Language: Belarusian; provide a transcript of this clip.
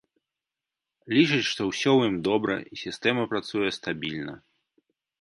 Лічаць, што ўсё ў ім добра, і сістэма працуе стабільна.